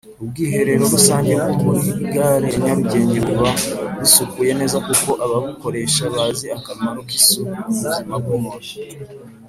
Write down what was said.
Ubwiherero rusange bwomuri gare ya nyarugenge buba busukuye neza kuko ababukoresha bazi akamaro kisuku kubuzima bwumuntu.